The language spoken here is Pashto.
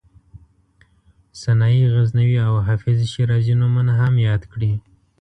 سنایي غزنوي او حافظ شیرازي نومونه هم یاد کړي.